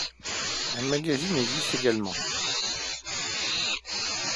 Un magazine existe également.